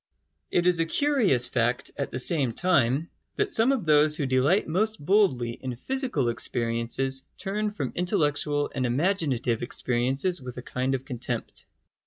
It is a curious fact, at the same time, that some of those who delight most boldly in physical experiences turn from intellectual and imaginative experiences with a kind of contempt.